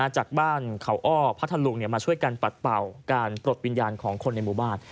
จากบ้านเขาอ้อพัทธลุงมาช่วยกันปัดเป่าการปลดวิญญาณของคนในหมู่บ้าน